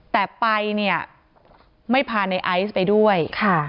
แต่ไปเนี่ยไม่พาในไอซ์ไปด้วยค่ะ